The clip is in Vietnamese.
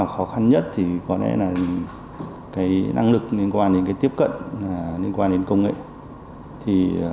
khó khăn nhất thì có lẽ là năng lực liên quan đến tiếp cận liên quan đến công nghệ